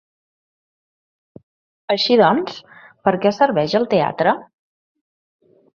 Així doncs, per què serveix el teatre?